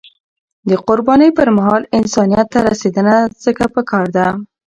د قربانی پر مهال، انسانیت ته رسیدنه ځکه پکار ده.